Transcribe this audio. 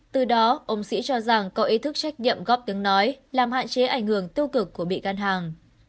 từ đó ông sĩ cho rằng có ý thức trách nhiệm góp tiếng nói làm hạn chế ảnh hưởng tiêu cực của bị găn hàng